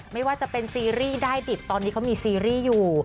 ไม่ว่าจะเป็นซีรีส์ได้ดิบตอนนี้เขามีซีรีส์อยู่